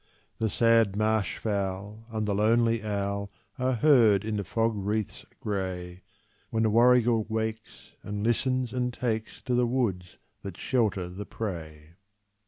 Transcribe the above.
The sad marsh fowl and the lonely owl Are heard in the fog wreaths grey, When the warrigal wakes, and listens, and takes To the woods that shelter the prey.